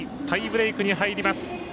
タイブレークに入ります。